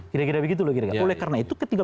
kira kira begitu oleh karena itu ketika